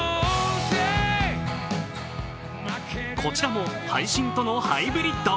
こちらも配信とのハイブリッド。